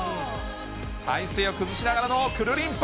体勢を崩しながらのくるりんぱ。